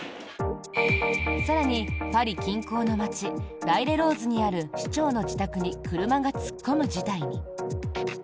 更に、パリ近郊の街ライレローズにある市長の自宅に車が突っ込む事態に。